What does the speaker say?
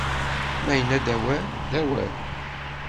Ma yenna-d awal, d awal!